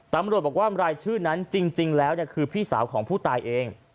ตำรวจบอกว่ารายชื่อนั้นจริงแล้วคือพี่สาวของผู้ตายเอง